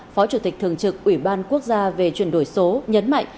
phó chủ tịch thường trực ủy ban quốc gia về chuyển đổi số nhấn mạnh